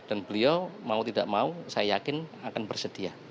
dan beliau mau tidak mau saya yakin akan bersedia